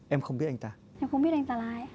em không biết anh ta là ai